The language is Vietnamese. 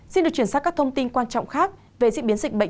xin được chuyển sang các thông tin quan trọng khác về diễn biến dịch bệnh